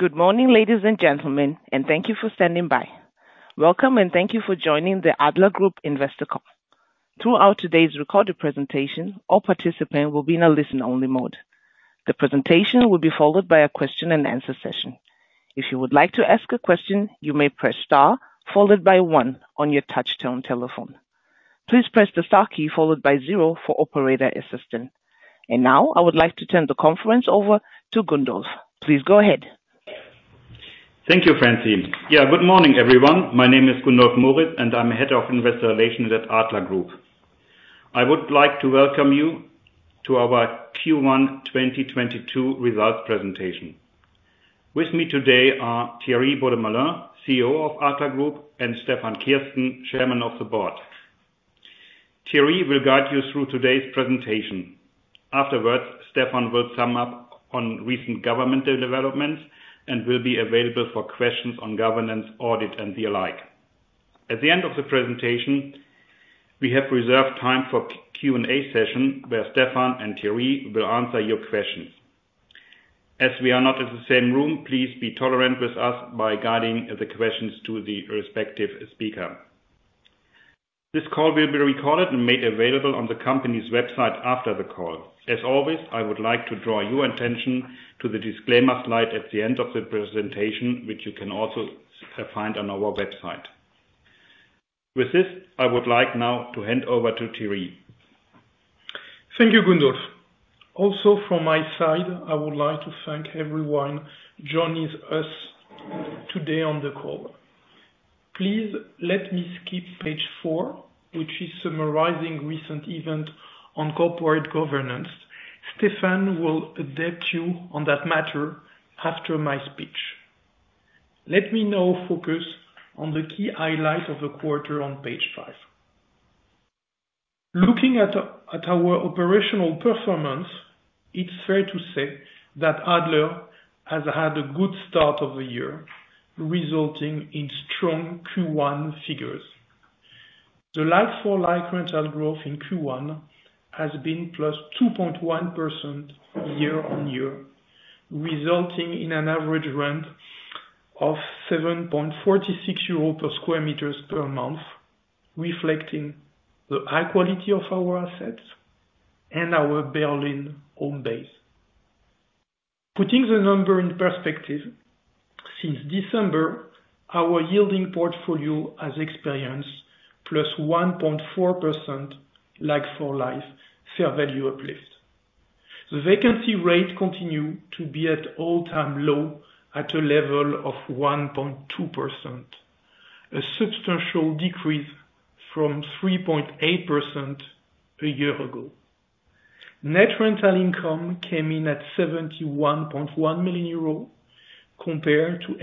Good morning, ladies and gentlemen, and thank you for standing by. Welcome and thank you for joining the Adler Group Investor Call. Throughout today's recorded presentation, all participants will be in a listen-only mode. The presentation will be followed by a question-and-answer session. If you would like to ask a question, you may press star followed by one on your touchtone telephone. Please press the star key followed by zero for operator assistance. Now, I would like to turn the conference over to Gundolf. Please go ahead. Thank you, Francine. Yeah, good morning, everyone. My name is Gundolf Moritz, and I'm Head of Investor Relations at Adler Group. I would like to welcome you to our Q1 2022 results presentation. With me today are Thierry Beaudemoulin, CEO of Adler Group, and Stefan Kirsten, Chairman of the Board. Thierry will guide you through today's presentation. Afterwards, Stefan will sum up on recent governmental developments and will be available for questions on governance, audit, and the like. At the end of the presentation, we have reserved time for Q&A session, where Stefan and Thierry will answer your questions. As we are not in the same room, please be tolerant with us by guiding the questions to the respective speaker. This call will be recorded and made available on the company's website after the call. As always, I would like to draw your attention to the disclaimer slide at the end of the presentation, which you can also find on our website. With this, I would like now to hand over to Thierry. Thank you, Gundolf. Also from my side, I would like to thank everyone joining us today on the call. Please let me skip page four, which is summarizing recent event on corporate governance. Stefan will update you on that matter after my speech. Let me now focus on the key highlights of the quarter on page five. Looking at our operational performance, it's fair to say that Adler has had a good start of the year, resulting in strong Q1 figures. The like-for-like rental growth in Q1 has been +2.1% year-on-year, resulting in an average rent of 7.46 euros per square meters per month, reflecting the high quality of our assets and our Berlin home base. Putting the number in perspective, since December, our yielding portfolio has experienced +1.4% like for like fair value uplift. The vacancy rate continues to be at all-time low at a level of 1.2%, a substantial decrease from 3.8% a year ago. Net rental income came in at 71.1 million euro, compared to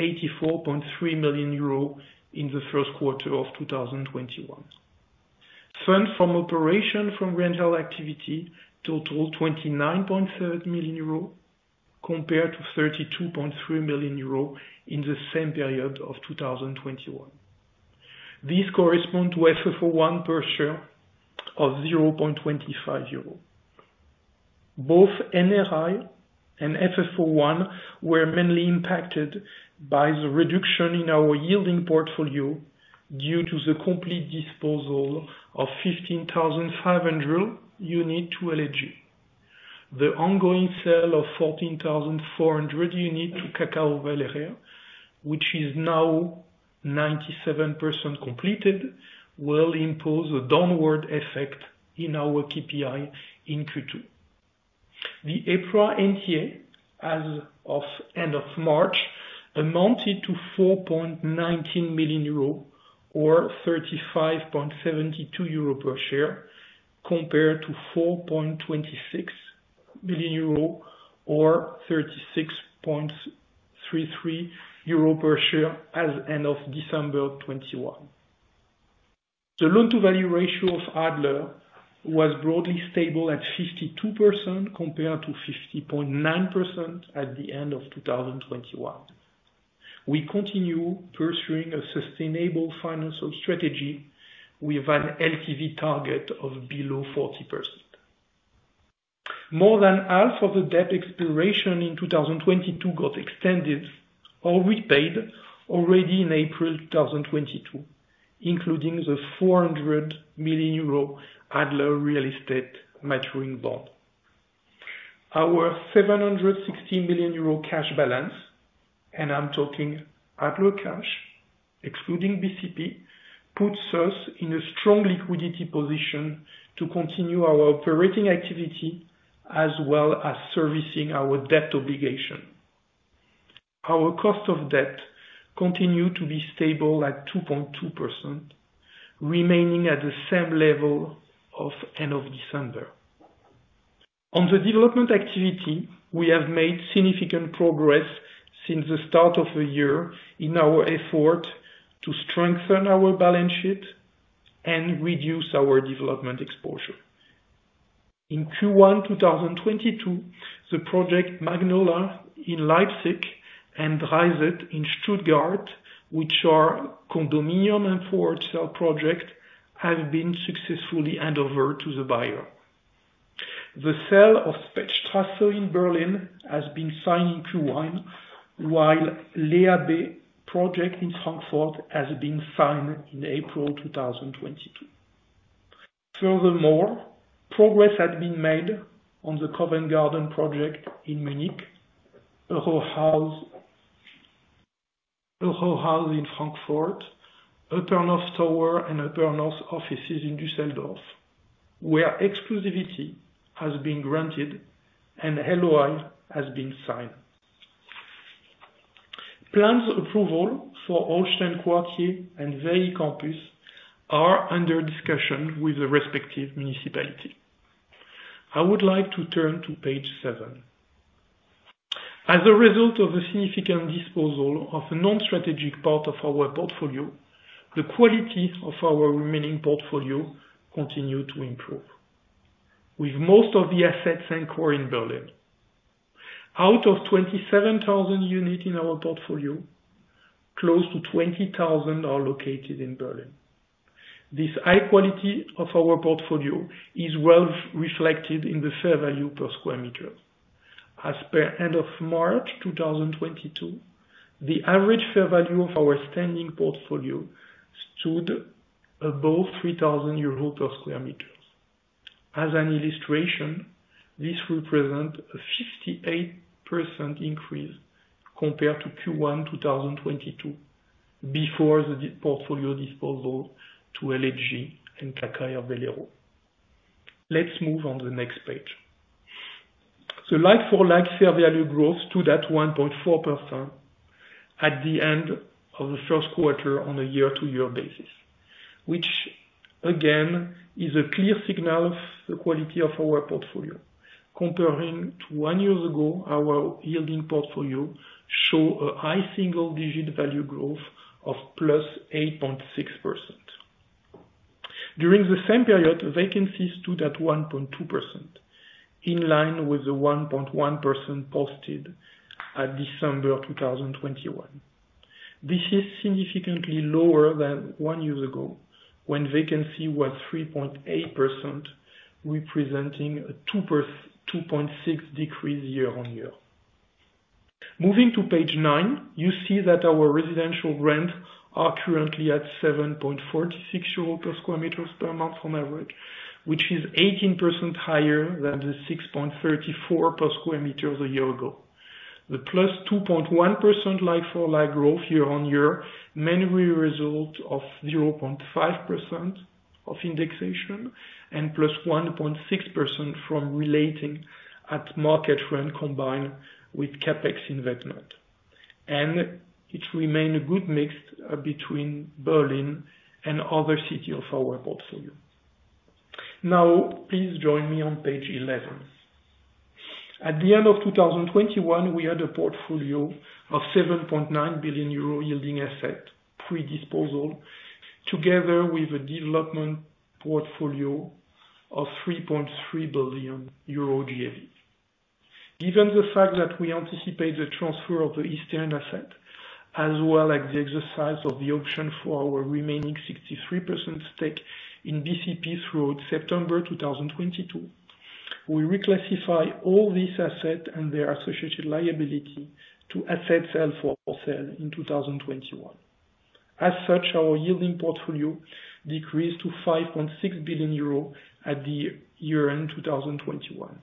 84.3 million euro in the first quarter of 2021. Funds from operations from rental activity totaled 29.3 million euro, compared to 32.3 million euro in the same period of 2021. These correspond to FFO I per share of 0.25 euro. Both NRI and FFO I were mainly impacted by the reduction in our yielding portfolio due to the complete disposal of 15,500 units to LEG. The ongoing sale of 14,400 units to KKR/Velero, which is now 97% completed, will impose a downward effect in our KPI in Q2. The April NTA as of end of March amounted to 4.19 million euro or 35.72 euro per share, compared to 4.26 billion euro or 36.33 euro per share as end of December 2021. The loan-to-value ratio of Adler was broadly stable at 52% compared to 50.9% at the end of 2021. We continue pursuing a sustainable financial strategy with an LTV target of below 40%. More than half of the debt expiration in 2022 got extended or repaid already in April 2022, including the 400 million euro ADLER Real Estate maturing bond. Our 760 million euro cash balance, and I'm talking Adler cash, excluding BCP, puts us in a strong liquidity position to continue our operating activity as well as servicing our debt obligation. Our cost of debt continue to be stable at 2.2%, remaining at the same level of end of December. On the development activity, we have made significant progress since the start of the year in our effort to strengthen our balance sheet and reduce our development exposure. In Q1 2022, the project Magnolia in Leipzig and Rosenstein in Stuttgart, which are condominium and for-sale project, have been successfully handed over to the buyer. The sale of Spechtstraße in Berlin has been signed in Q1, while Lyoner Blick project in Frankfurt has been signed in April 2022. Furthermore, progress has been made on the Covent Garden project in Munich, Wohnhaus in Frankfurt, Upper Nord Tower and Upper Nord offices in Düsseldorf, where exclusivity has been granted and LOI has been signed. Plans approval for Holsten Quartier and VAI Campus are under discussion with the respective municipality. I would like to turn to page seven. As a result of the significant disposal of a non-strategic part of our portfolio, the quality of our remaining portfolio continues to improve. With most of the assets anchored in Berlin. Out of 27,000 units in our portfolio, close to 20,000 are located in Berlin. This high quality of our portfolio is well reflected in the fair value per square meter. As at end of March 2022, the average fair value of our standing portfolio stood above 3,000 euros per square meter. As an illustration, this represents a 68% increase compared to Q1 2022, before the portfolio disposal to LEG and KKR Velero. Let's move on to the next page. Like-for-like fair value growth stood at 1.4% at the end of the first quarter on a year-to-year basis, which again is a clear signal of the quality of our portfolio. Comparing to one year ago, our yielding portfolio show a high single-digit value growth of +8.6%. During the same period, vacancies stood at 1.2%, in line with the 1.1% posted at December 2021. This is significantly lower than one year ago, when vacancy was 3.8%, representing a 2.6% decrease year-on-year. Moving to page 9, you see that our residential rent are currently at 7.46 euro per square meter per month on average, which is 18% higher than the 6.34 per square meter a year ago. The plus 2.1% like-for-like growth year-on-year mainly result of 0.5% of indexation and plus 1.6% from reletting at market rent combined with CapEx investment. It remain a good mix between Berlin and other city of our portfolio. Now, please join me on page 11. At the end of 2021, we had a portfolio of 7.9 billion euro yielding asset pre-disposal, together with a development portfolio of 3.3 billion euro GAV. Given the fact that we anticipate the transfer of the eastern asset, as well as the exercise of the option for our remaining 63% stake in BCP throughout September 2022, we reclassify all these assets and their associated liability to assets held for sale in 2021. As such, our yielding portfolio decreased to 5.6 billion euro at the year-end 2021,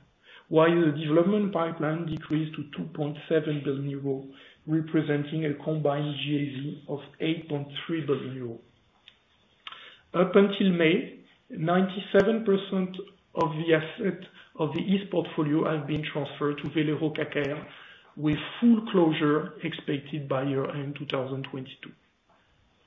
while the development pipeline decreased to 2.7 billion euro, representing a combined GAV of 8.3 billion euro. Up until May, 97% of the assets of the East portfolio has been transferred to Velero, KKR with full closure expected by year-end 2022.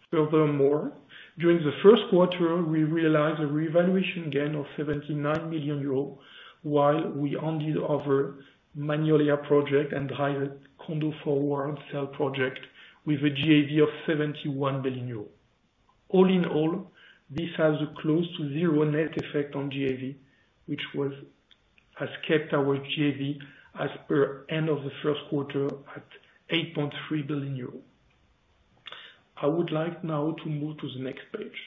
Furthermore, during the first quarter, we realized a revaluation gain of 79 million euros while we handed over Magnolia project and higher condo forward sale project with a GAV of 71 billion euros. All in all, this has a close to zero net effect on GAV, which has kept our GAV as per end of the first quarter at 8.3 billion euro. I would like now to move to the next page.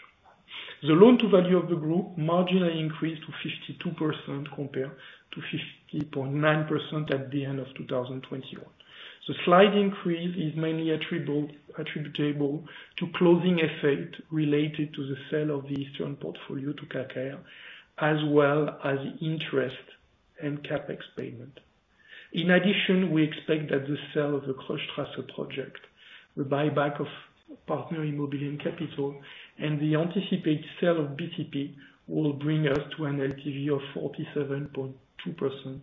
The loan to value of the group marginally increased to 52% compared to 50.9% at the end of 2021. The slight increase is mainly attributable to closing effect related to the sale of the eastern portfolio to KKR, as well as interest and CapEx payment. In addition, we expect that the sale of the Kreuzstraße project, the buyback of Partner Immobilien Capital, and the anticipated sale of BCP will bring us to an LTV of 47.2%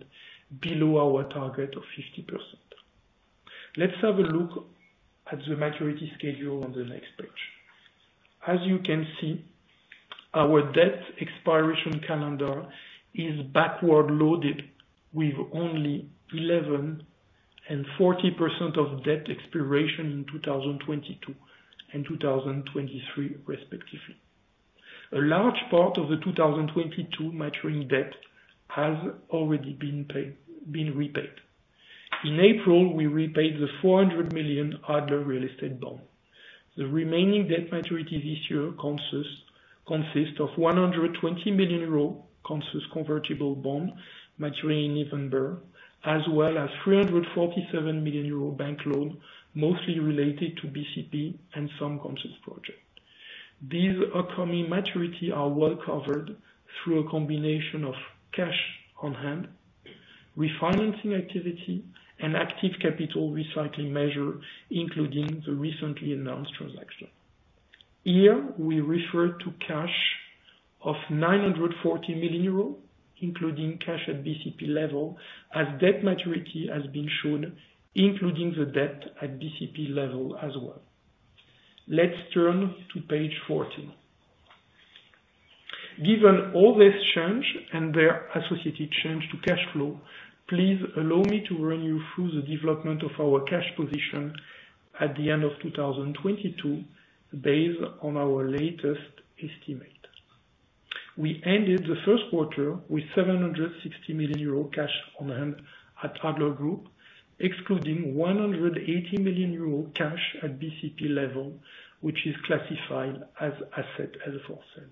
below our target of 50%. Let's have a look at the maturity schedule on the next page. As you can see, our debt expiration calendar is back-loaded with only 11% and 40% of debt expiration in 2022 and 2023 respectively. A large part of the 2022 maturing debt has already been repaid. In April, we repaid the 400 million ADLER Real Estate bond. The remaining debt maturities this year consist of 120 million euro Consus convertible bond maturing in November, as well as 347 million euro bank loan, mostly related to BCP and some Consus project. These upcoming maturities are well covered through a combination of cash on hand, refinancing activity and active capital recycling measures, including the recently announced transaction. Here we refer to cash of 940 million euros, including cash at BCP level, as debt maturities have been shown, including the debt at BCP level as well. Let's turn to page 14. Given all this change and their associated change to cash flow, please allow me to run you through the development of our cash position at the end of 2022, based on our latest estimate. We ended the first quarter with 760 million euro cash on hand at Adler Group, excluding 180 million euro cash at BCP level, which is classified as assets held for sale.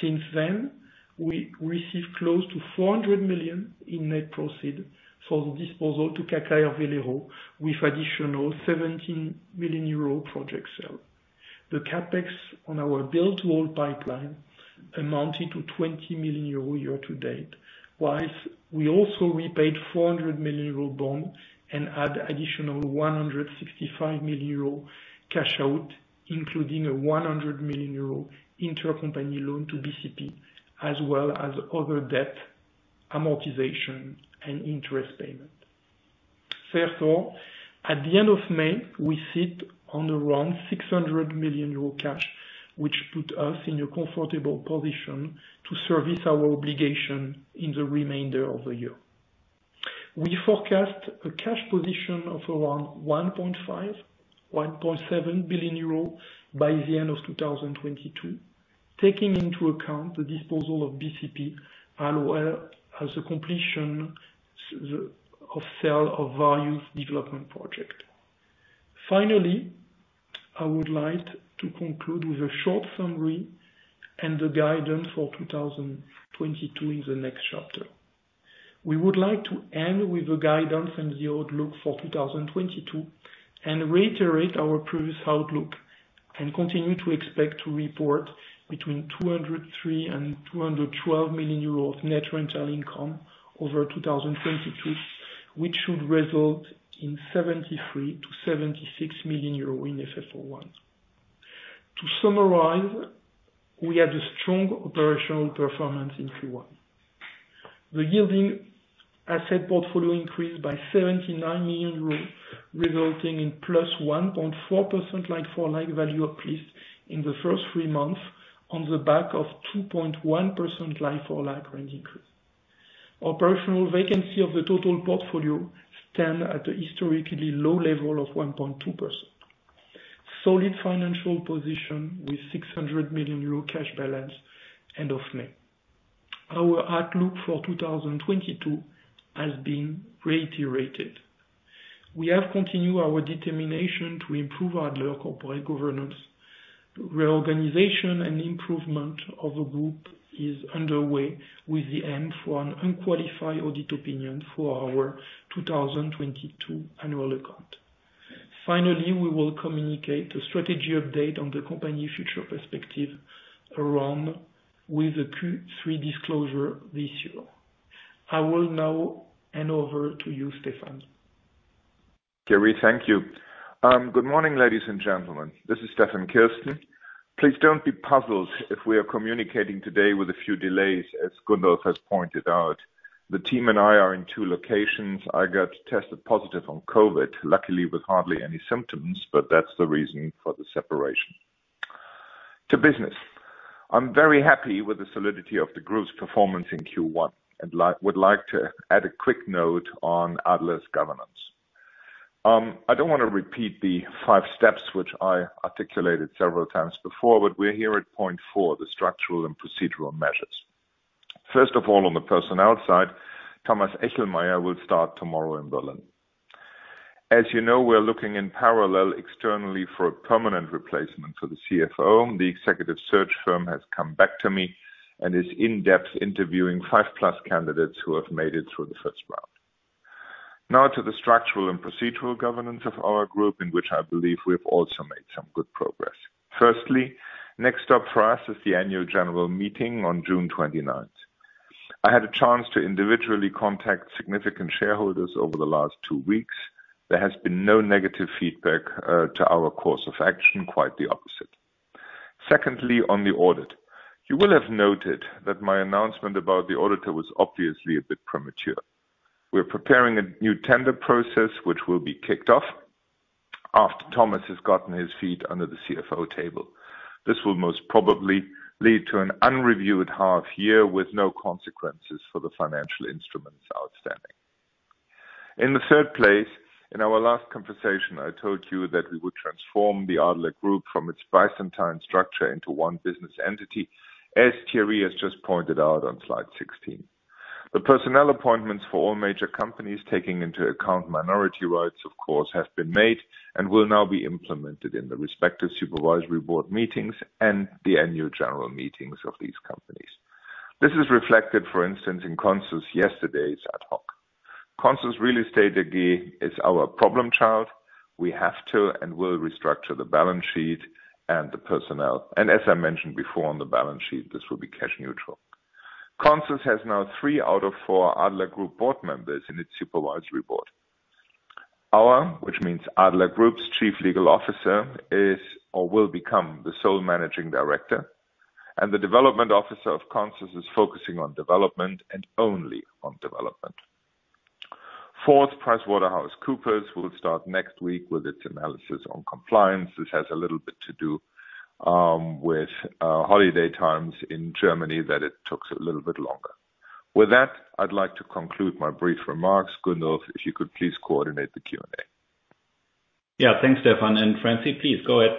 Since then, we received close to 400 million in net proceeds from the disposal to KKR of Velero, with additional 17 million euro project sale. The CapEx on our build-to-hold pipeline amounted to 20 million euros year to date. While we also repaid 400 million euro bond and add additional 165 million euro cash out, including a 100 million euro intercompany loan to BCP, as well as other debt amortization and interest payment. Therefore, at the end of May, we sit on around 600 million euro cash, which put us in a comfortable position to service our obligation in the remainder of the year. We forecast a cash position of around 1.5 billion-1.7 billion euro by the end of 2022, taking into account the disposal of BCP, as well as the completion of sale of various development project. Finally, I would like to conclude with a short summary and the guidance for 2022 in the next chapter. We would like to end with the guidance and the outlook for 2022 and reiterate our previous outlook, and continue to expect to report between 203 million and 212 million euros net rental income over 2022, which should result in 73 million-76 million euro in FFO-1. To summarize, we had a strong operational performance in Q1. The yielding asset portfolio increased by 79 million euros, resulting in +1.4% like-for-like value increase in the first three months on the back of 2.1% like-for-like rent increase. Operational vacancy of the total portfolio stand at a historically low level of 1.2%. Solid financial position with 600 million euro cash balance end of May. Our outlook for 2022 has been reiterated. We have continued our determination to improve Adler corporate governance. Reorganization and improvement of the group is underway with the aim for an unqualified audit opinion for our 2022 annual account. Finally, we will communicate a strategy update on the company future perspective along with the Q3 disclosure this year. I will now hand over to you, Stefan. Kerry, thank you. Good morning, ladies and gentlemen. This is Stefan Kirsten. Please don't be puzzled if we are communicating today with a few delays, as Gundolf has pointed out. The team and I are in two locations. I got tested positive on COVID, luckily with hardly any symptoms, but that's the reason for the separation. To business. I'm very happy with the solidity of the group's performance in Q1, and would like to add a quick note on Adler's governance. I don't wanna repeat the five steps which I articulated several times before, but we're here at point four, the structural and procedural measures. First of all, on the personnel side, Thomas Echelmeyer will start tomorrow in Berlin. As you know, we're looking in parallel externally for a permanent replacement for the CFO. The executive search firm has come back to me and is in-depth interviewing 5+ candidates who have made it through the first round. Now to the structural and procedural governance of our group, in which I believe we have also made some good progress. First, next up for us is the annual general meeting on June 29. I had a chance to individually contact significant shareholders over the last 2 weeks. There has been no negative feedback to our course of action, quite the opposite. Second, on the audit. You will have noted that my announcement about the auditor was obviously a bit premature. We're preparing a new tender process, which will be kicked off after Thomas has gotten his feet under the CFO table. This will most probably lead to an unreviewed half year with no consequences for the financial instruments outstanding. Our last conversation, I told you that we would transform the Adler Group from its Byzantine structure into one business entity, as Thierry has just pointed out on slide 16. The personnel appointments for all major companies, taking into account minority rights, of course, have been made and will now be implemented in the respective supervisory board meetings and the annual general meetings of these companies. This is reflected, for instance, in Consus yesterday's ad hoc. Consus Real Estate AG is our problem child. We have to and will restructure the balance sheet and the personnel. As I mentioned before on the balance sheet, this will be cash neutral. Consus has now three out of four Adler Group board members in its supervisory board. Our, which means Adler Group's, chief legal officer is or will become the sole managing director, and the development officer of Consus is focusing on development and only on development. Fourth, PricewaterhouseCoopers will start next week with its analysis on compliance. This has a little bit to do with holiday times in Germany that it takes a little bit longer. With that, I'd like to conclude my brief remarks. Gundolf, if you could please coordinate the Q&A. Yeah. Thanks, Stefan. Francie, please go ahead.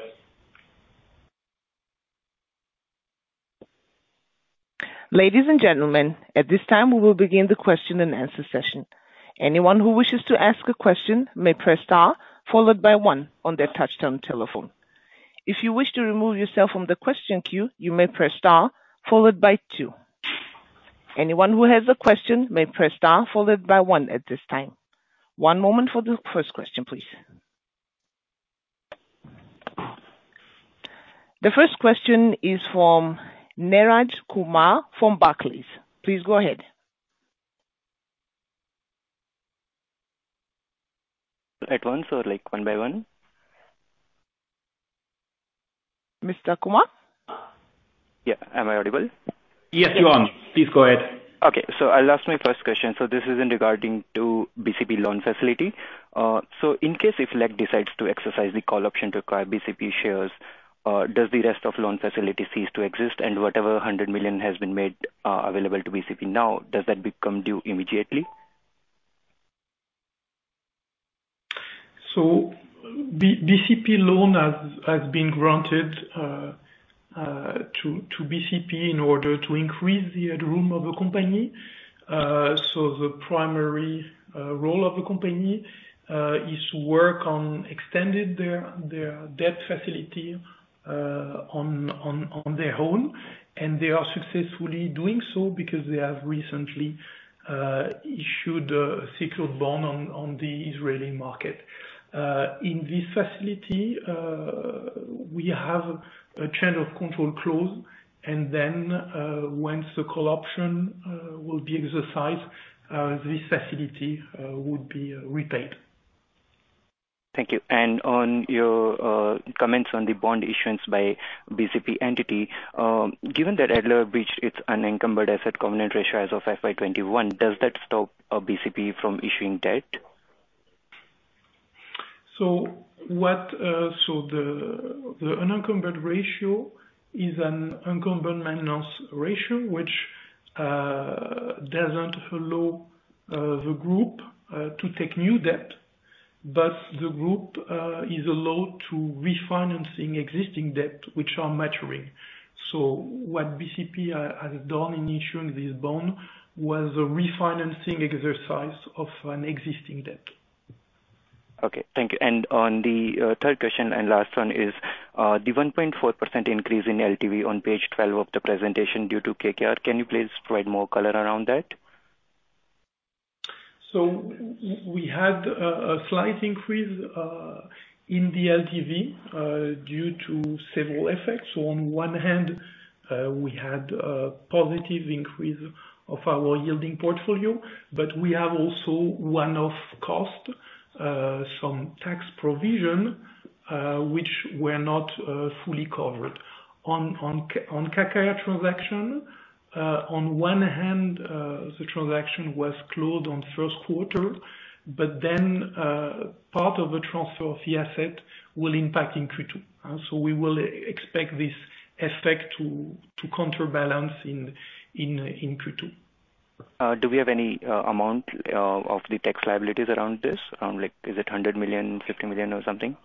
Ladies and gentlemen, at this time we will begin the question-and-answer session. Anyone who wishes to ask a question may press star followed by one on their touchtone telephone. If you wish to remove yourself from the question queue, you may press star followed by two. Anyone who has a question may press star followed by one at this time. One moment for the first question, please. The first question is from Neeraj Kumar from Barclays. Please go ahead. At once or, like, one by one? Mr. Kumar? Yeah. Am I audible? Yes, you are. Please go ahead. I'll ask my first question. This is regarding to BCP loan facility. In case if LEG decides to exercise the call option to acquire BCP shares, does the rest of loan facility cease to exist? The 100 million has been made available to BCP now, does that become due immediately? BCP loan has been granted to BCP in order to increase the headroom of the company. The primary role of the company is to work on extending their debt facility on their own. They are successfully doing so because they have recently issued a secured bond on the Israeli market. In this facility, we have a change of control clause, and then once the call option will be exercised, this facility will be repaid. Thank you. On your comments on the bond issuance by BCP entity, given that Adler breached its unencumbered asset covenant ratio as of FY 2021, does that stop BCP from issuing debt? The unencumbered ratio is an unencumbered maintenance ratio which doesn't allow the group to take new debt, but the group is allowed to refinancing existing debt which are maturing. What BCP has done in issuing this bond was a refinancing exercise of an existing debt. Okay. Thank you. On the third question and last one is the 1.4% increase in LTV on page 12 of the presentation due to KKR, can you please provide more color around that? We had a slight increase in the LTV due to several effects. On one hand, we had a positive increase of our yielding portfolio, but we also have one-off costs, some tax provisions, which were not fully covered. On KKR transaction, on one hand, the transaction was closed in the first quarter, but then, part of the transfer of the asset will impact in Q2. We will expect this effect to counterbalance in Q2. Do we have any amount of the tax liabilities around this? Like, is it 100 million, 50 million or something?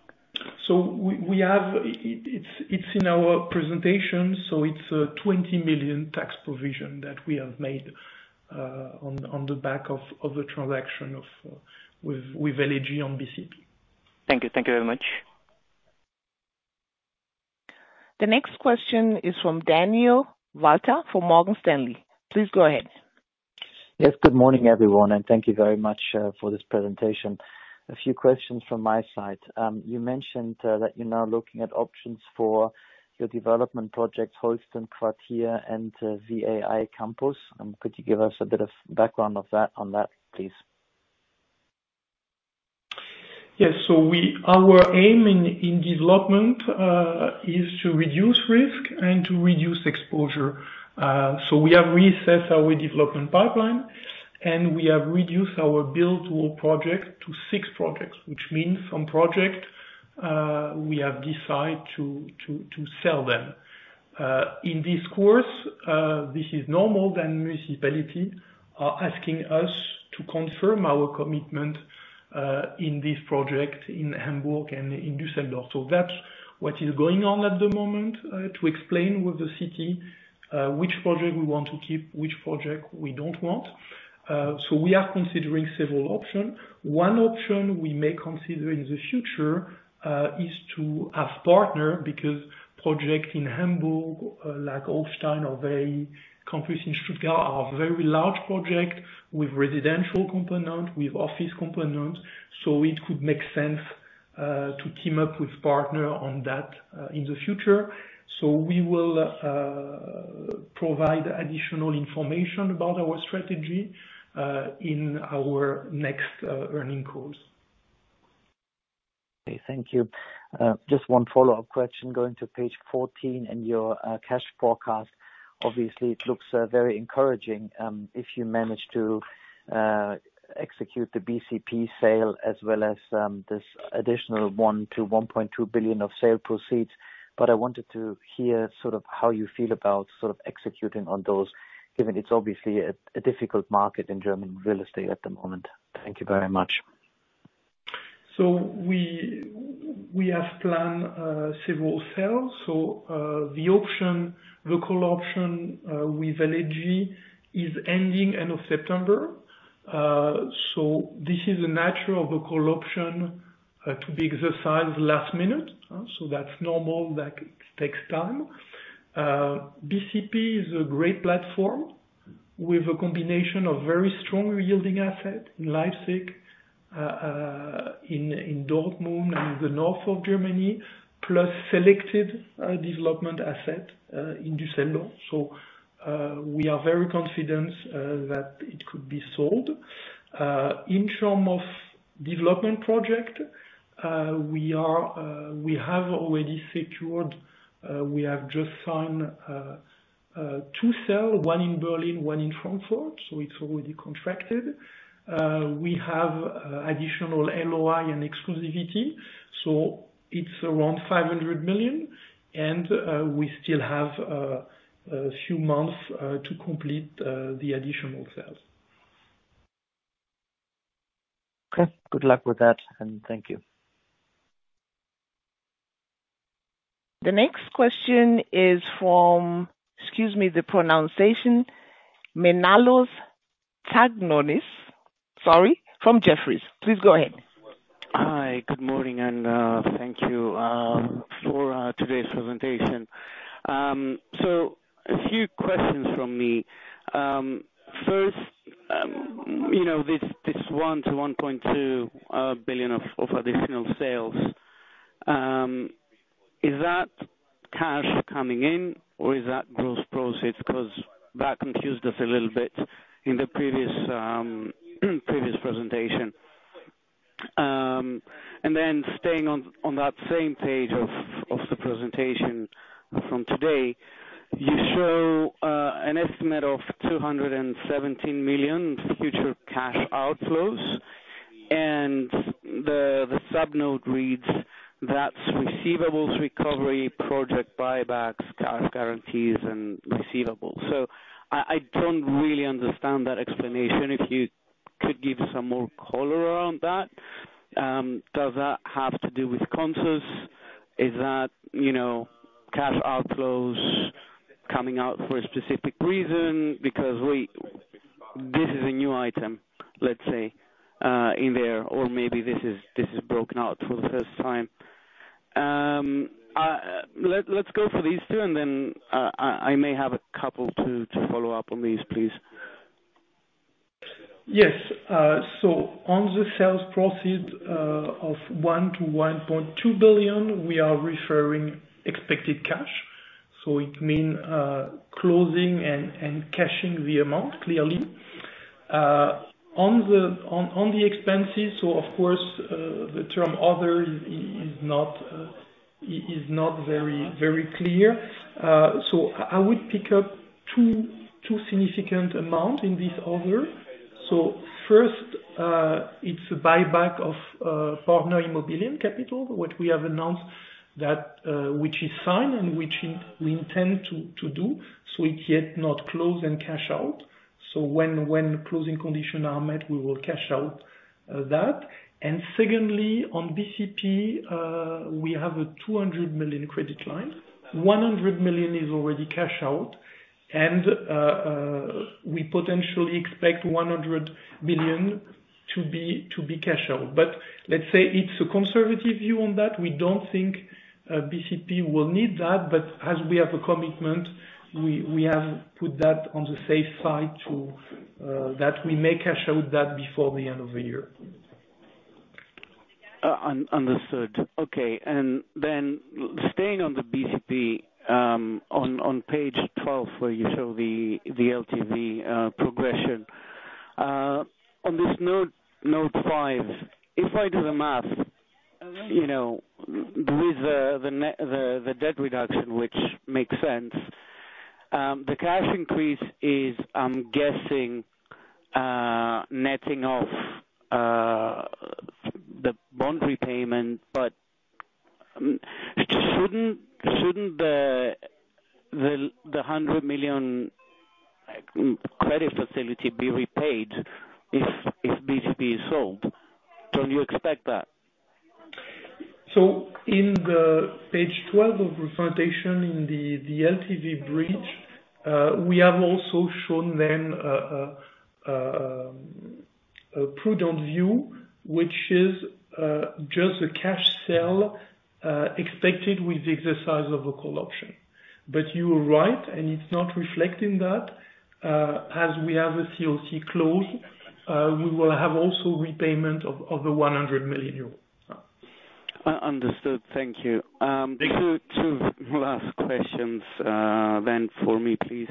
We have it in our presentation. It's 20 million tax provision that we have made on the back of the transaction with LEG on BCP. Thank you. Thank you very much. The next question is from Daniel Walter for Morgan Stanley. Please go ahead. Yes. Good morning, everyone, and thank you very much for this presentation. A few questions from my side. You mentioned that you're now looking at options for your development projects, Holsten Quartier and VAI Campus. Could you give us a bit of background on that, please? Yes. Our aim in development is to reduce risk and to reduce exposure. We have reset our development pipeline, and we have reduced our build-to-hold to six projects, which means some projects we have decide to sell them. In this course, this is normal, the municipality are asking us to confirm our commitment in this project in Hamburg and in Düsseldorf. That's what is going on at the moment to explain with the city which project we want to keep, which project we don't want. We are considering several option. One option we may consider in the future is to have partner, because project in Hamburg like Holsten Quartier or VAI Campus in Stuttgart are very large project with residential component, with office component, so it could make sense to team up with partner on that in the future. We will provide additional information about our strategy in our next earnings calls. Okay, thank you. Just one follow-up question. Going to page 14 and your cash forecast. Obviously, it looks very encouraging if you manage to execute the BCP sale as well as this additional 1 billion-1.2 billion of sale proceeds. But I wanted to hear sort of how you feel about sort of executing on those, given it's obviously a difficult market in German real estate at the moment. Thank you very much. We have planned several sales. The option, the call option, with LEG is ending end of September. This is a natural call option to be exercised last minute. That's normal. That takes time. BCP is a great platform with a combination of very strong yielding asset in Leipzig, in Dortmund and the north of Germany, plus selected development asset in Düsseldorf. We are very confident that it could be sold. In terms of development project, we have already secured, we have just signed two sales, one in Berlin, one in Frankfurt, so it's already contracted. We have additional LOI and exclusivity, so it's around 500 million. We still have a few months to complete the additional sales. Okay. Good luck with that, and thank you. The next question is from. Excuse me, the pronunciation. [Manalos Tagnonis], sorry, from Jefferies. Please go ahead. Hi. Good morning and thank you for today's presentation. A few questions from me. First, you know, this 1 billion-1.2 billion of additional sales, is that cash coming in or is that gross proceeds? 'Cause that confused us a little bit in the previous presentation. Staying on that same page of the presentation from today, you show an estimate of 217 million future cash outflows. The sub-note reads that's receivables recovery, project buybacks, cash guarantees and receivables. I don't really understand that explanation. If you could give some more color around that. Does that have to do with Consus? Is that, you know, cash outflows coming out for a specific reason? Because we. This is a new item, let's say, in there, or maybe this is broken out for the first time. Let's go for these two, and then I may have a couple to follow up on these, please. Yes. On the sales proceeds of 1 billion-1.2 billion, we are referring to expected cash. It means closing and cashing the amount, clearly. On the expenses, of course, the term other is not very clear. I would pick up two significant amounts in this other. First, it's a buyback of Partner Immobilien Capital, which we have announced, which is signed and which we intend to do, we have not yet closed and cashed out. When closing conditions are met, we will cash out that. Secondly, on BCP, we have a 200 million credit line. 100 million is already cashed out and we potentially expect 100 million to be cashed out. Let's say it's a conservative view on that. We don't think BCP will need that, but as we have a commitment, we have put that on the safe side to that we may cash out that before the end of the year. Understood. Okay. Staying on the BCP, on page 12 where you show the LTV progression, on this Note 5, if I do the math, you know, with the debt reduction, which makes sense. The cash increase is, I'm guessing, netting off the bond repayment, but shouldn't the 100 million credit facility be repaid if BCP is sold? Don't you expect that? In the page 12 of presentation in the LTV bridge, we have also shown then a prudent view, which is just a cash sale expected with the exercise of a call option. You are right, and it's not reflecting that, as we have a CoC clause, we will have also repayment of 100 million euros. Understood. Thank you. Thank you. Two last questions, then for me, please.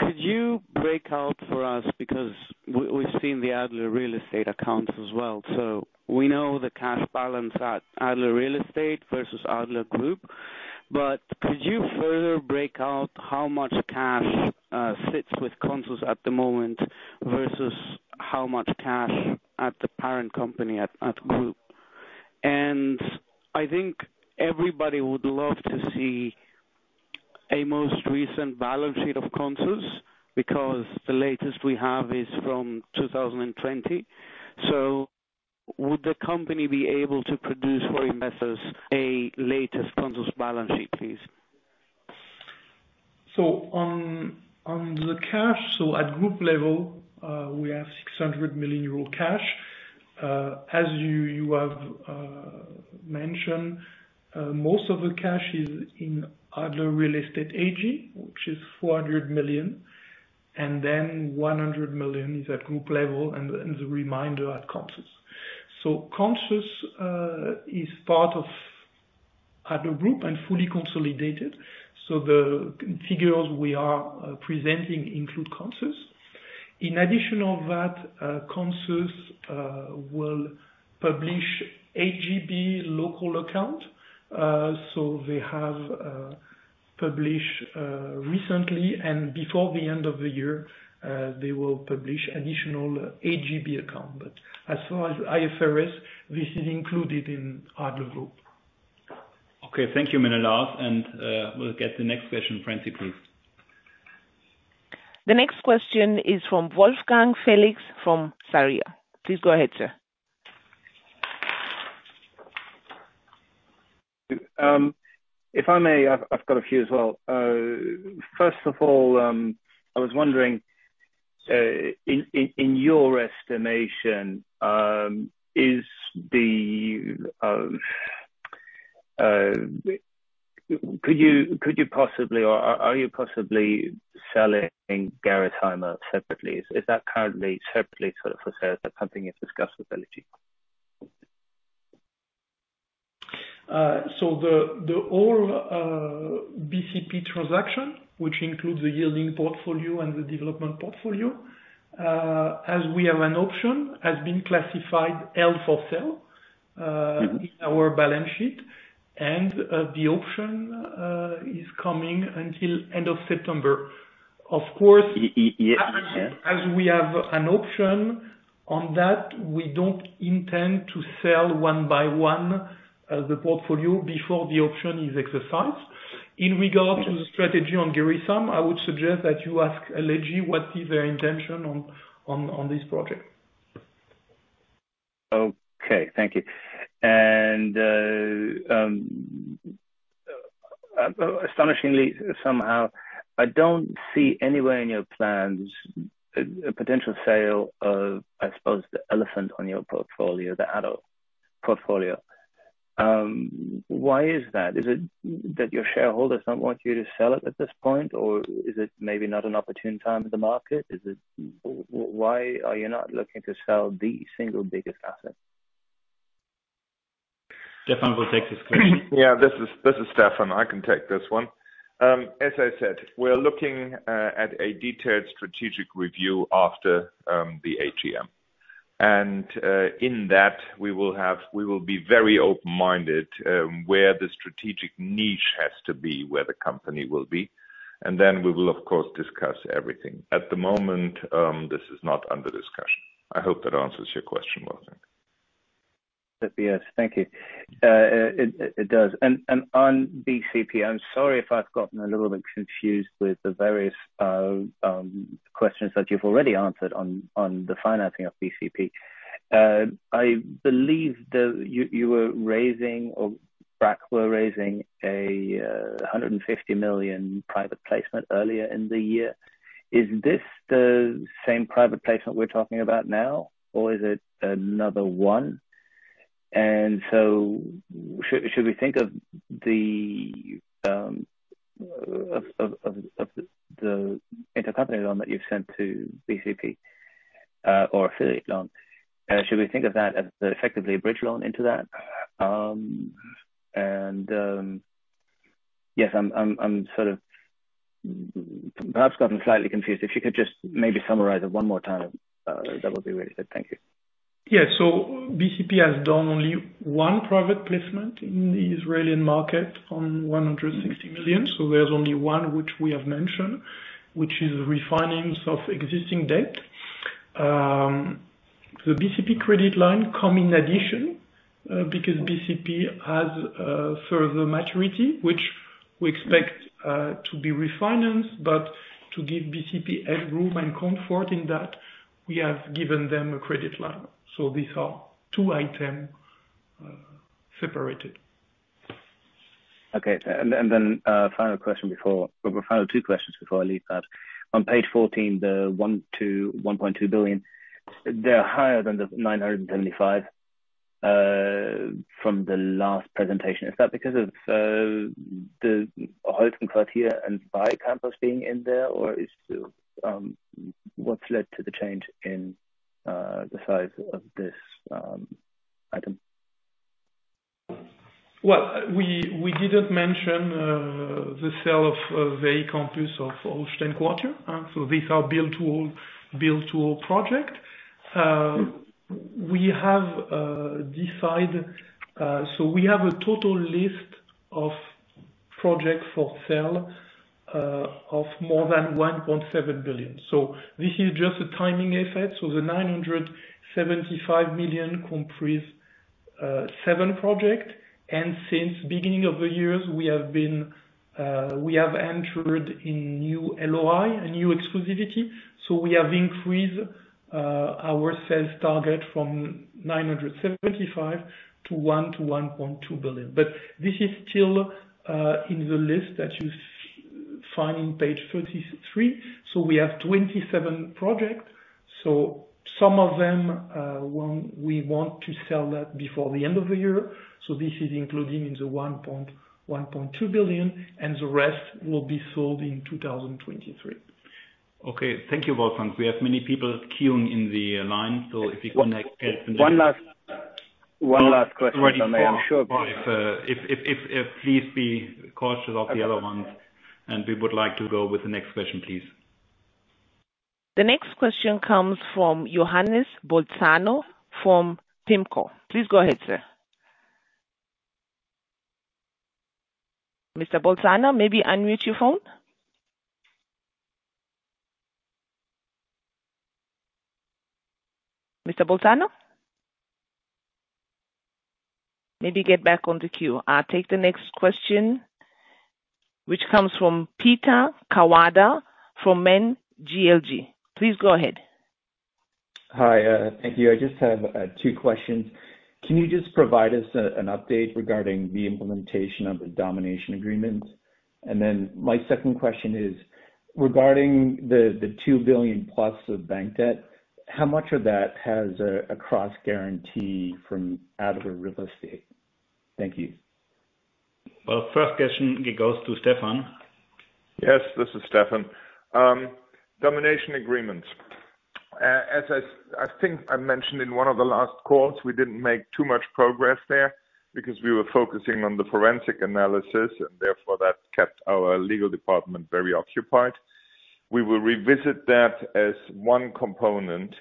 Could you break out for us because we've seen the Adler Real Estate accounts as well, so we know the cash balance at Adler Real Estate versus Adler Group. Could you further break out how much cash sits with Consus at the moment versus how much cash at the parent company at Group? I think everybody would love to see a most recent balance sheet of Consus, because the latest we have is from 2020. Would the company be able to produce for investors a latest Consus balance sheet, please? On the cash at group level, we have 600 million euro cash. As you have mentioned, most of the cash is in Adler Real Estate AG, which is 400 million, and then 100 million is at group level and the remainder at Consus. Consus is part of Adler Group and fully consolidated, so the figures we are presenting include Consus. In addition to that, Consus will publish HGB local account. They have published recently and before the end of the year, they will publish additional HGB account. But as far as IFRS, this is included in Adler Group. Okay. Thank you, [inaudible] and we'll get the next question. Francine, please. The next question is from Wolfgang Felix from Sarria. Please go ahead, sir. If I may, I've got a few as well. First of all, I was wondering, in your estimation, could you possibly or are you possibly selling Gerresheim separately? Is that currently separately sort of for sale or something you've discussed viability? The whole BCP transaction, which includes the yielding portfolio and the development portfolio, as we have an option, has been classified held for sale.... in our balance sheet and, the option, is coming until end of September. Of course- Yeah As we have an option on that, we don't intend to sell one by one the portfolio before the option is exercised. In regard to the strategy on Gerresheim, I would suggest that you ask Allegi what is their intention on this project. Okay. Thank you. Astonishingly somehow, I don't see anywhere in your plans a potential sale of, I suppose, the elephant in your portfolio, the Adler portfolio. Why is that? Is it that your shareholders don't want you to sell it at this point, or is it maybe not an opportune time in the market? Why are you not looking to sell the single biggest asset? Stefan will take this one. Yeah. This is Stefan. I can take this one. As I said, we're looking at a detailed strategic review after the AGM. In that, we will be very open-minded where the strategic niche has to be, where the company will be. Then we will of course discuss everything. At the moment, this is not under discussion. I hope that answers your question, Wolfgang. It does. Thank you. It does. On BCP, I'm sorry if I've gotten a little bit confused with the various questions that you've already answered on the financing of BCP. I believe that you were raising or Brack were raising a 150 million private placement earlier in the year. Is this the same private placement we're talking about now or is it another one? Should we think of the intercompany loan that you've sent to BCP or affiliate loan? Should we think of that as effectively a bridge loan into that? Yes, I sort of perhaps gotten slightly confused. If you could just maybe summarize it one more time, that would be really good. Thank you. Yeah. BCP has done only one private placement in the Israeli market on 160 million. There's only one which we have mentioned, which is refinancing of existing debt. The BCP credit line come in addition, because BCP has further maturity, which we expect to be refinanced. To give BCP head room and comfort in that, we have given them a credit line. These are two item separated. Okay. Then, final question before or final two questions before I leave that. On page 14, the 1 billion-1.2 billion, they're higher than the 975 million from the last presentation. Is that because of the Holsten Quartier and VAI Campus being in there or is the what's led to the change in the size of this item? We didn't mention the sale of VAI Campus of Holsten Quartier. These are build-to-hold projects. We have decided we have a total list of projects for sale of more than 1.7 billion. This is just a timing effect. The 975 million comprise seven projects. Since the beginning of the year, we have entered new LOI, a new exclusivity. We have increased our sales target from 975 million to 1.2 billion. This is still in the list that you find on page 33. We have 27 projects. Some of them we want to sell before the end of the year. This is including the EUR 1.1.2 billion, and the rest will be sold in 2023. Okay. Thank you, Wolfgang. We have many people queuing in the line. If you can make. One last question. I'm sure. Please be cautious of the other ones, and we would like to go with the next question, please. The next question comes from Johannes Bolzano, from PIMCO. Please go ahead, sir. Mr. Bolzano, maybe unmute your phone. Mr. Bolzano? Maybe get back on the queue. I'll take the next question, which comes from Peter Kawada from Man GLG. Please go ahead. Hi. Thank you. I just have two questions. Can you just provide us an update regarding the implementation of the domination agreements? My second question is regarding the 2 billion plus of bank debt, how much of that has a cross guarantee from Adler Real Estate? Thank you. Well, first question, it goes to Stefan. Yes, this is Stefan. Domination agreements. As I think I mentioned in one of the last calls, we didn't make too much progress there because we were focusing on the forensic analysis, and therefore that kept our legal department very occupied. We will revisit that as one component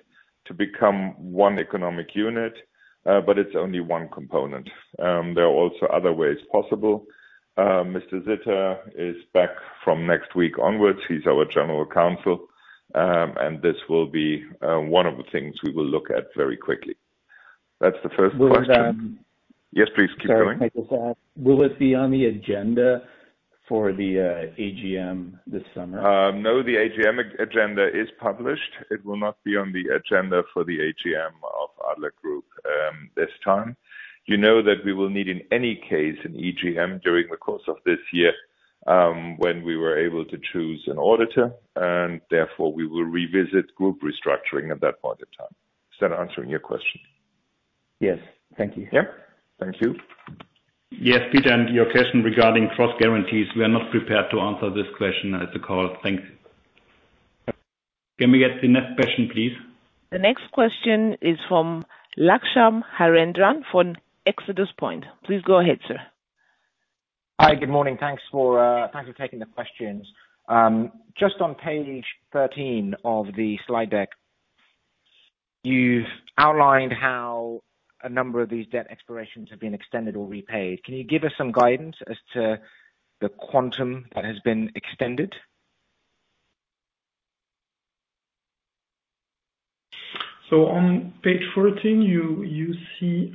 to become one economic unit, but it's only one component. There are also other ways possible. Mr. Zitter is back from next week onwards. He's our general counsel. This will be one of the things we will look at very quickly. That's the first question. Will that- Yes, please. Keep going. Sorry. Will it be on the agenda for the AGM this summer? No, the AGM agenda is published. It will not be on the agenda for the AGM of Adler Group, this time. You know that we will need in any case an EGM during the course of this year, when we were able to choose an auditor, and therefore, we will revisit group restructuring at that point in time. Does that answer your question? Yes. Thank you. Yeah. Thank you. Yes, Peter, and your question regarding cross guarantees, we are not prepared to answer this question at the call. Thanks. Can we get the next question, please? The next question is from Lakshman Harendran from ExodusPoint. Please go ahead, sir. Hi. Good morning. Thanks for taking the questions. Just on page 13 of the slide deck, you've outlined how a number of these debt expirations have been extended or repaid. Can you give us some guidance as to the quantum that has been extended? On page 14, you see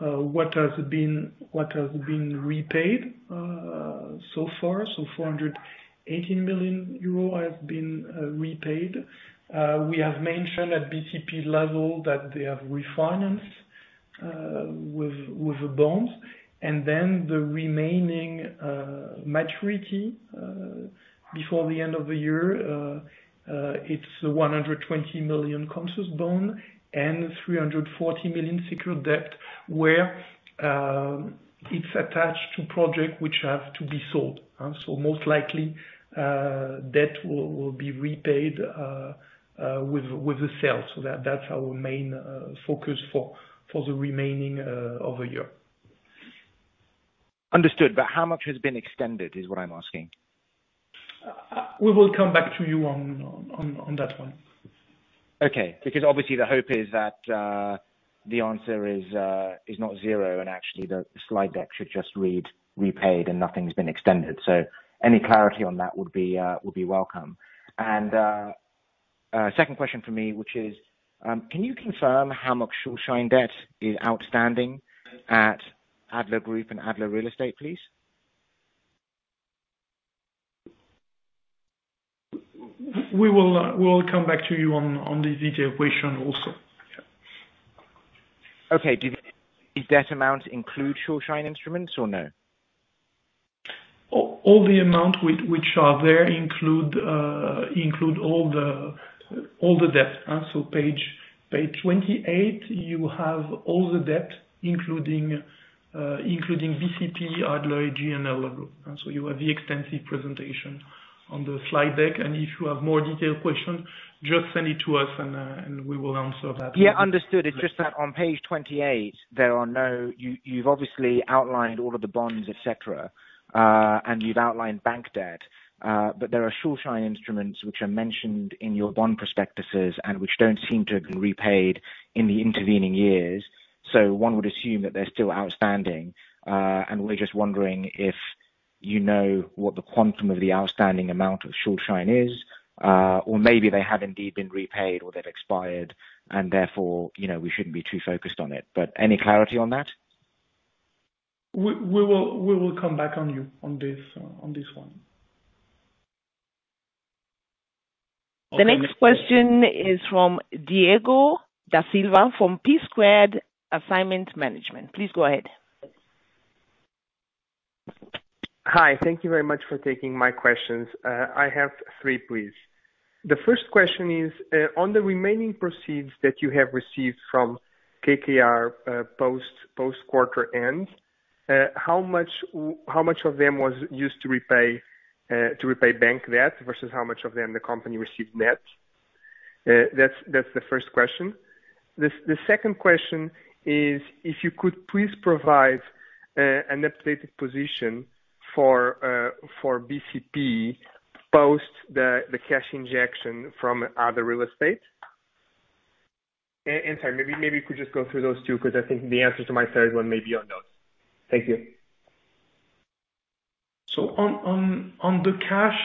what has been repaid so far. 480 million euro has been repaid. We have mentioned at BCP level that they have refinanced with the bonds, and then the remaining maturity before the end of the year, it's 120 million Consus bond and 340 million secured debt where it's attached to project which have to be sold. Most likely, debt will be repaid with the sales. That's our main focus for the remaining of the year. Understood. How much has been extended is what I'm asking. We will come back to you on that one. Okay. Because obviously the hope is that the answer is not zero, and actually the slide deck should just read repaid and nothing's been extended. Any clarity on that would be welcome. Second question from me, which is, can you confirm how much Schuldschein debt is outstanding at Adler Group and Adler Real Estate, please? We will come back to you on the detailed question also. Is debt amount include Schuldschein instruments or no? All the amounts which are there include all the debt. Page 28, you have all the debt including BCP, Adler, ARE. You have the extensive presentation on the slide deck, and if you have more detailed question, just send it to us and we will answer that. Yeah, understood. It's just that on page 28, you've obviously outlined all of the bonds, et cetera, and you've outlined bank debt, but there are Schuldschein instruments which are mentioned in your bond prospectuses and which don't seem to have been repaid in the intervening years. One would assume that they're still outstanding. We're just wondering if you know what the quantum of the outstanding amount of Schuldschein is, or maybe they have indeed been repaid or they've expired and therefore, you know, we shouldn't be too focused on it. Any clarity on that? We will come back on you on this one. The next question is from Diego Da Silva, from PSquared Asset Management. Please go ahead. Hi. Thank you very much for taking my questions. I have three, please. The first question is on the remaining proceeds that you have received from KKR post quarter end, how much of them was used to repay bank debt versus how much of them the company received net? That's the first question. The second question is if you could please provide an updated position for BCP post the cash injection from Adler Real Estate. Sorry, maybe you could just go through those two, 'cause I think the answer to my third one may be on those. Thank you. On the cash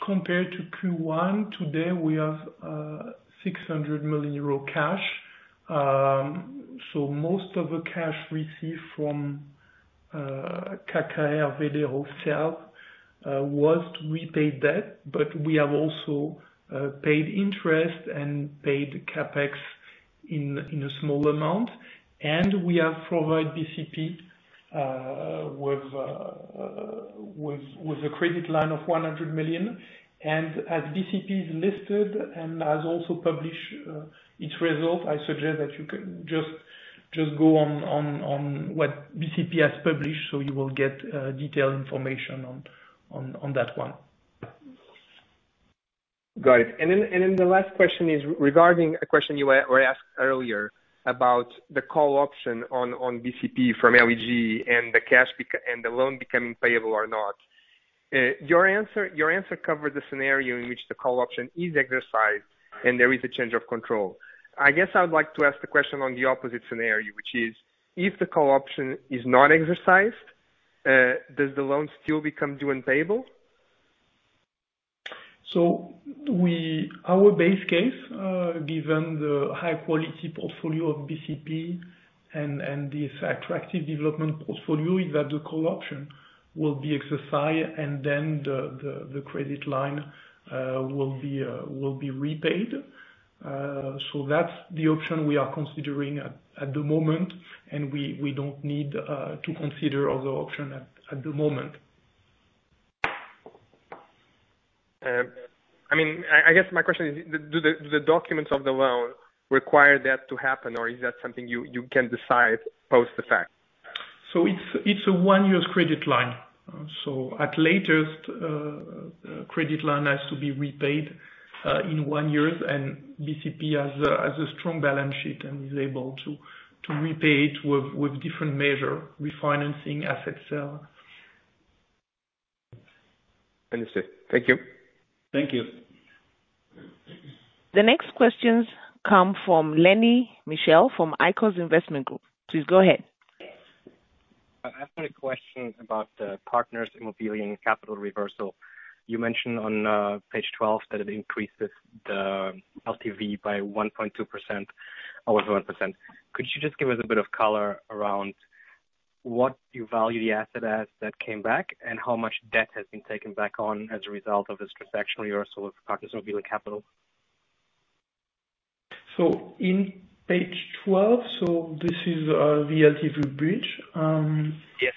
compared to Q1, today we have 600 million euro cash. Most of the cash received from KKR. With the wholesale was to repay debt, but we have also paid interest and paid CapEx in a small amount. We have provide BCP with a credit line of 100 million. As BCP is listed and has also published its result, I suggest that you can just go on what BCP has published, so you will get detailed information on that one. Got it. The last question is regarding a question you were asked earlier about the call option on BCP from LEG and the loan becoming payable or not. Your answer covered the scenario in which the call option is exercised and there is a change of control. I guess I would like to ask the question on the opposite scenario, which is if the call option is not exercised, does the loan still become due and payable? Our base case, given the high quality portfolio of BCP and this attractive development portfolio, is that the call option will be exercised and then the credit line will be repaid. That's the option we are considering at the moment. We don't need to consider other option at the moment. I mean, I guess my question is do the documents of the loan require that to happen or is that something you can decide post the fact? It's a one-year credit line. At latest, credit line has to be repaid in one year, and BCP has a strong balance sheet and is able to repay it with different measures, refinancing assets. Understood. Thank you. Thank you. The next questions come from Lenny Michel from Eicos Investment Group. Please go ahead. I have many questions about the Partner Immobilien Capital reversal. You mentioned on page 12 that it increases the LTV by 1.2% or 1%. Could you just give us a bit of color around what you value the asset as that came back, and how much debt has been taken back on as a result of this transaction reversal of Partner Immobilien Capital? On page 12, this is the LTV bridge. Yes.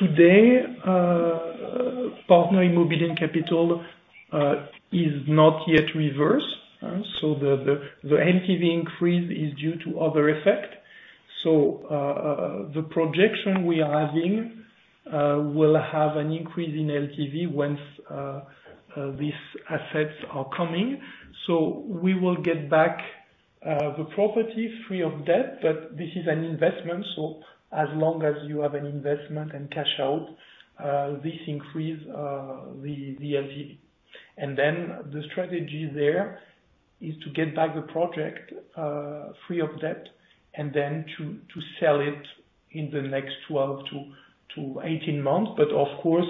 Today, Partner Immobilien Capital is not yet reversed. The LTV increase is due to other effect. The projection we are having We'll have an increase in LTV once these assets are coming. We will get back the property free of debt, but this is an investment, so as long as you have an investment and cash out this increase the LTV. The strategy there is to get back the project free of debt, and then to sell it in the next 12-18 months. Of course,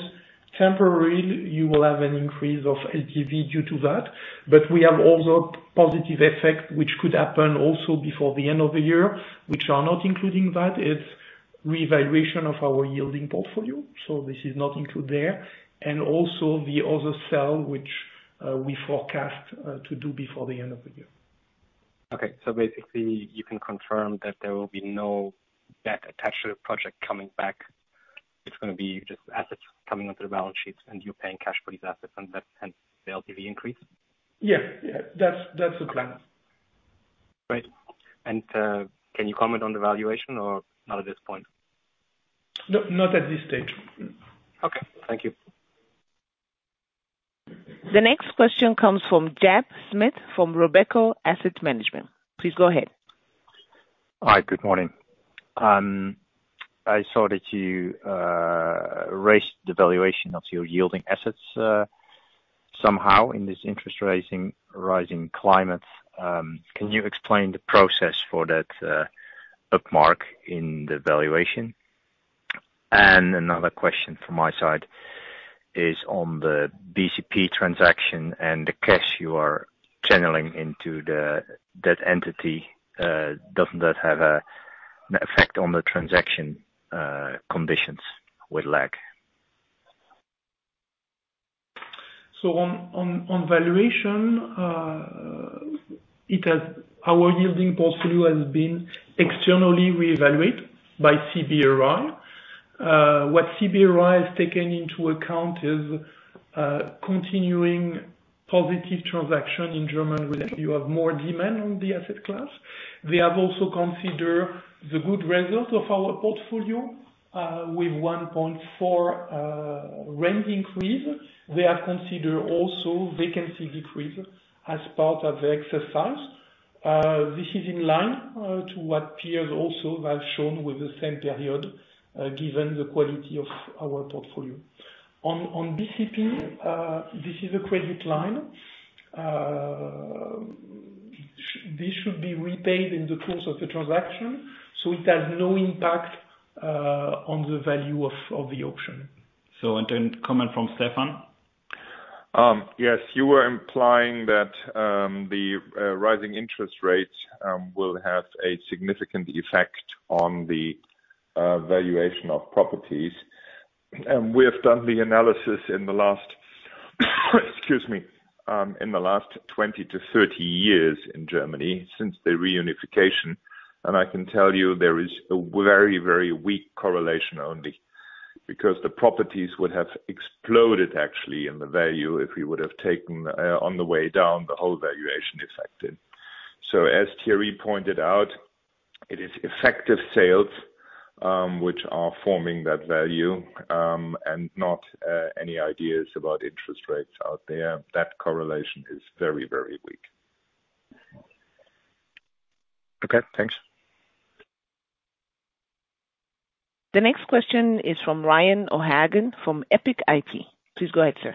temporarily you will have an increase of LTV due to that. We have also positive effect, which could happen also before the end of the year, which are not including that, is revaluation of our yielding portfolio. This is not include there. Also the other sale which we forecast to do before the end of the year. Okay. Basically, you can confirm that there will be no debt-attached project coming back. It's gonna be just assets coming onto the balance sheets, and you're paying cash for these assets and that hence the LTV increase? Yeah. That's the plan. Great. Can you comment on the valuation or not at this point? No, not at this stage. Okay, thank you. The next question comes from Jeb Smith from Robeco Asset Management. Please go ahead. Hi, good morning. I saw that you raised the valuation of your yielding assets somehow in this interest rate rising climate. Can you explain the process for that booking in the valuation? Another question from my side is on the BCP transaction and the cash you are channeling into that entity. Doesn't that have an effect on the transaction conditions with LEG? On valuation, our yielding portfolio has been externally re-evaluated by CBRE. What CBRE has taken into account is continuing positive transactions in Germany where you have more demand on the asset class. We have also considered the good result of our portfolio with 1.4% rent increase. We have considered also vacancy decrease as part of the exercise. This is in line with what peers also have shown in the same period given the quality of our portfolio. On BCP, this is a credit line. This should be repaid in the course of the transaction, so it has no impact on the value of the auction. Comment from Stefan. Yes. You were implying that the rising interest rates will have a significant effect on the valuation of properties. We have done the analysis in the last 20-30 years in Germany since the Reunification, and I can tell you there is a very, very weak correlation only. Because the properties would have exploded actually in the value if we would have taken on the way down the whole valuation effect in. So as Thierry pointed out, it is effective sales which are forming that value, and not any ideas about interest rates out there. That correlation is very, very weak. Okay, thanks. The next question is from Ryan O'Hagan from Epic IP. Please go ahead, sir.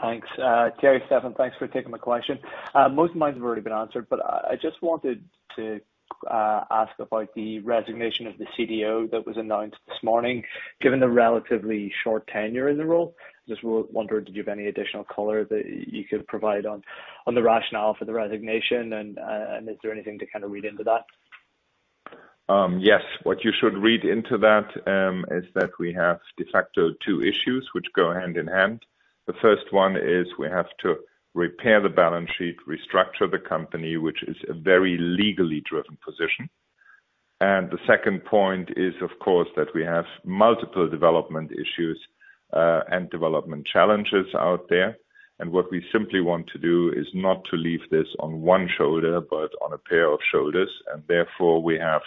Thanks. Thierry, Stefan, thanks for taking my question. Most of mine have already been answered, but I just wanted to ask about the resignation of the CDO that was announced this morning, given the relatively short tenure in the role. Just wondered, did you have any additional color that you could provide on the rationale for the resignation and is there anything to kind of read into that? Yes. What you should read into that is that we have de facto two issues which go hand in hand. The first one is we have to repair the balance sheet, restructure the company, which is a very legally driven position. The second point is, of course, that we have multiple development issues, and development challenges out there. What we simply want to do is not to leave this on one shoulder, but on a pair of shoulders. Therefore, we have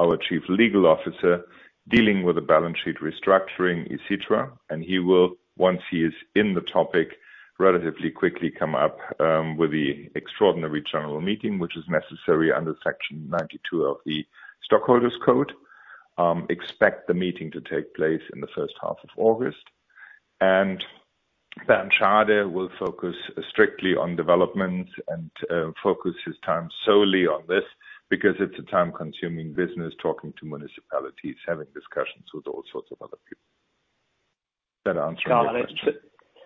our Chief Legal Officer dealing with the balance sheet restructuring, et cetera. He will, once he is in the topic, relatively quickly come up with the extraordinary general meeting which is necessary under Section 92 AktG. Expect the meeting to take place in the first half of August. Bernd Schade will focus strictly on developments and, focus his time solely on this because it's a time-consuming business, talking to municipalities, having discussions with all sorts of other people. That answer your question? Got it.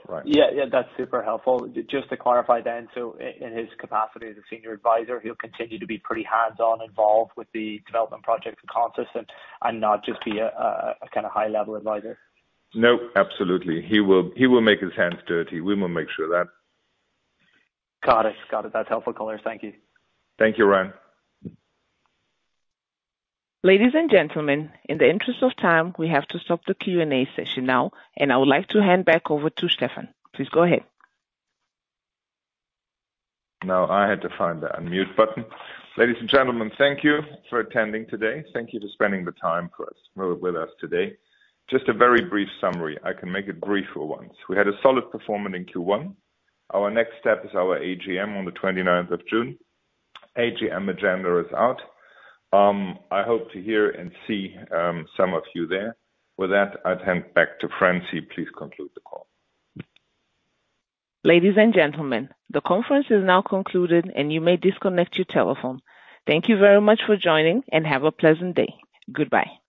Right. Yeah, that's super helpful. Just to clarify then, so in his capacity as a senior advisor, he'll continue to be pretty hands-on involved with the development project and concepts and not just be a kind of high-level advisor? No, absolutely. He will make his hands dirty. We will make sure of that. Got it. That's helpful color. Thank you. Thank you, Ryan. Ladies and gentlemen, in the interest of time, we have to stop the Q&A session now, and I would like to hand back over to Stefan. Please go ahead. Now, I had to find the unmute button. Ladies and gentlemen, thank you for attending today. Thank you for spending the time with us today. Just a very brief summary. I can make it brief for once. We had a solid performance in Q1. Our next step is our AGM on the 29th of June. AGM agenda is out. I hope to hear and see some of you there. With that, I'll hand back to Francie. Please conclude the call. Ladies and gentlemen, the conference is now concluded, and you may disconnect your telephone. Thank you very much for joining and have a pleasant day. Goodbye.